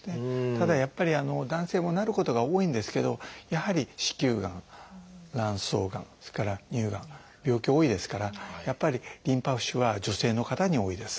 ただやっぱり男性もなることが多いんですけどやはり子宮がん卵巣がんそれから乳がん病気多いですからやっぱりリンパ浮腫は女性の方に多いです。